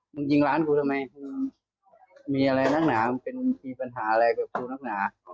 มึงยิงร้านกูทำไมมึงมีอะไรนักหนามึงเป็นมีปัญหาอะไรกับกูนักหนา